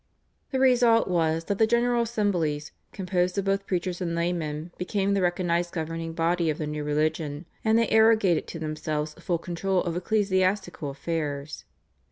The result was that the General Assemblies, composed of both preachers and laymen, became the recognised governing body of the new religion, and they arrogated to themselves full control of ecclesiastical affairs.